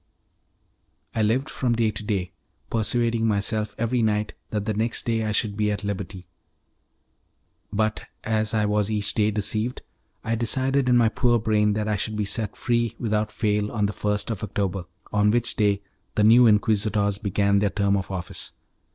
I lived from day to day, persuading myself every night that the next day I should be at liberty; but as I was each day deceived, I decided in my poor brain that I should be set free without fail on the 1st of October, on which day the new Inquisitors begin their term of office.